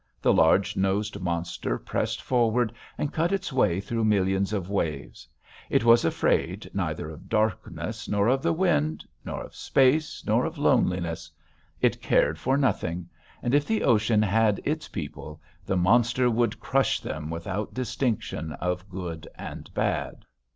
The large nosed monster pressed forward and cut its way through millions of waves; it was afraid neither of darkness, nor of the wind, nor of space, nor of loneliness; it cared for nothing, and if the ocean had its people, the monster would crush them without distinction of good and bad.